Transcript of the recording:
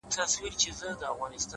ورسره څه وکړم بې وسه سترگي مړې واچوي;